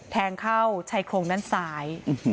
แทงเข้าชัยโครงนั้นสาย